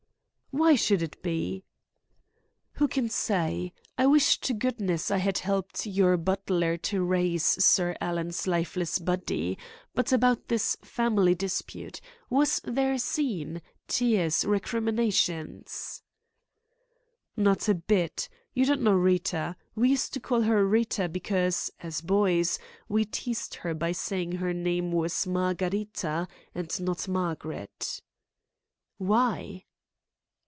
"Why should it be?" "Who can say? I wish to goodness I had helped your butler to raise Sir Alan's lifeless body. But about this family dispute. Was there a scene tears, recriminations?" "Not a bit. You don't know Rita. We used to call her Rita because, as boys, we teased her by saying her name was Margharita, and not Margaret" "Why?"